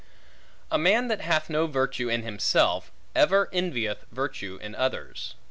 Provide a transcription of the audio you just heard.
A man that hath no virtue in himself, ever envieth virtue in others.